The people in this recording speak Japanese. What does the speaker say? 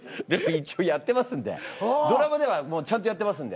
一応やってますんでドラマではちゃんとやってますんで。